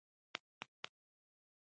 خاوره د ټولو وروستۍ مینه ده.